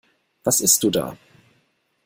Was isst du da?